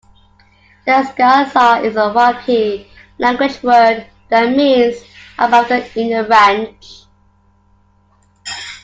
Destghil sar is a Wakhi language word, that means above the inner ranch.